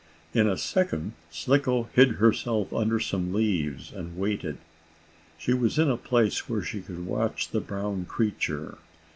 In a second Slicko hid herself under some leaves, and waited. She was in a place where she could watch the brown creature.